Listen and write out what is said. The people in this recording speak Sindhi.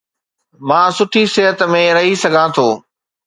مان سٺي صحت ۾ رهي سگهان ٿو